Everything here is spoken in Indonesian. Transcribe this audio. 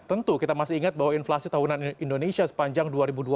tentu kita masih ingat bahwa inflasi tahunan indonesia sepanjang dua ribu dua puluh